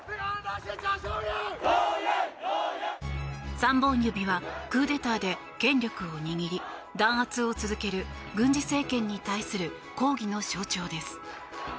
３本指はクーデターで権力を握り弾圧を続ける軍事政権に対する抗議の象徴です。